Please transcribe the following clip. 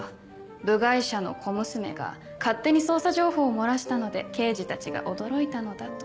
部外者の小娘が勝手に捜査情報を漏らしたので刑事たちが驚いたのだと。